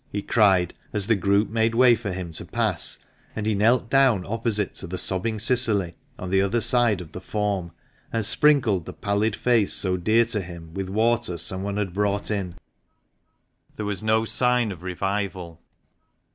" he cried, as the group made way for him to pass, and he knelt down opposite to the sobbing Cicily, on the other side of the form, and sprinkled the pallid face so dear to him with water some one had brought in. There was no sign of revival.